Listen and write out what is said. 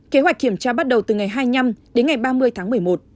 kế hoạch kiểm tra bắt đầu từ ngày hai mươi năm đến ngày ba mươi tháng một mươi một